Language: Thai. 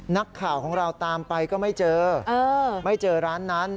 นักข่าวของเราตามไปก็ไม่เจอไม่เจอร้านนั้น